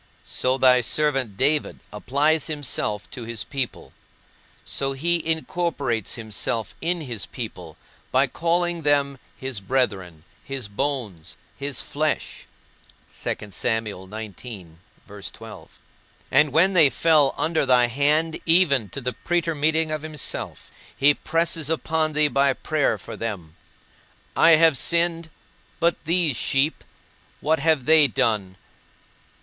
So thy servant David applies himself to his people, so he incorporates himself in his people, by calling them his brethren, his bones, his flesh; and when they fell under thy hand, even to the pretermitting of himself, he presses upon thee by prayer for them; _I have sinned, but these sheep, what have they done?